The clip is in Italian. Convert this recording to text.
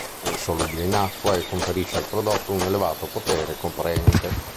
È insolubile in acqua e conferisce al prodotto un elevato potere coprente.